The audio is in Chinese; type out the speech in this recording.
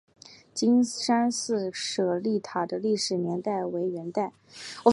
金山寺舍利塔的历史年代为元代。